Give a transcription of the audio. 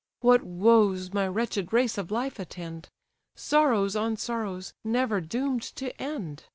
What woes my wretched race of life attend! Sorrows on sorrows, never doom'd to end!